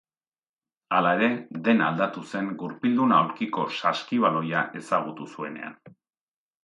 Hala ere, dena aldatu zen gurpildun aulkiko saskibaloia ezagutu zuenean.